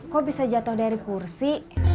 kok bisa jatuh dari kursi